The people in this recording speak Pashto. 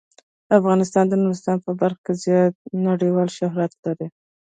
افغانستان د نورستان په برخه کې نړیوال شهرت لري.